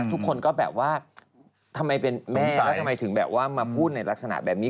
ทุกคนก็แบบว่าทำไมเป็นแม่ค้าทำไมถึงแบบว่ามาพูดในลักษณะแบบนี้